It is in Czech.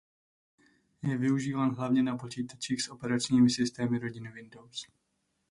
Je využíván hlavně na počítačích s operačními systémy rodiny Windows.